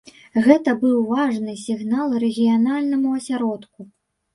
Гэта быў важны сігнал рэгіянальнаму асяродку.